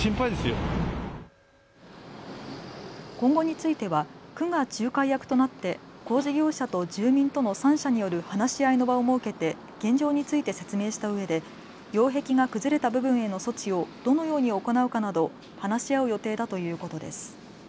今後については区が仲介役となって工事業者と住民との３者による話し合いの場を設けて現状について説明したうえで擁壁が崩れた部分への措置をどのように行うかなど話し合う予定だということです。